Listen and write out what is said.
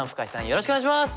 よろしくお願いします！